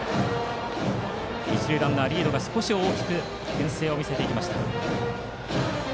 一塁ランナーリードが少し大きくけん制を見せていきました。